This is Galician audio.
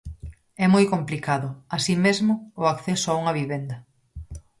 É moi complicado, así mesmo, o acceso a unha vivenda.